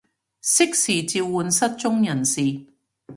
適時召喚失蹤人士